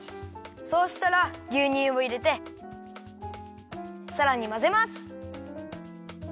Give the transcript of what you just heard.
そうしたらぎゅうにゅうをいれてさらにまぜます。